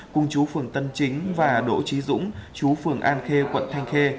cùng chú phường tân chính và đỗ trí dũng chú phường an khê quận thanh khê